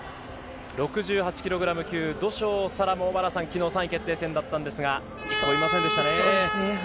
６８ｋｇ級、土性沙羅も昨日３位決定戦だったんですが、一歩、及びませんでしたね。